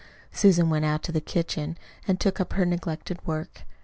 Susan went out into the kitchen then and took up her neglected work.